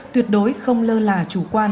tuyệt đối không lơ là chủ quan